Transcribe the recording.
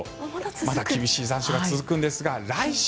まだ厳しい残暑が続くんですが来週